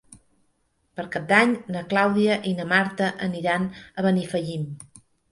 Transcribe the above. Per Cap d'Any na Clàudia i na Marta aniran a Benifallim.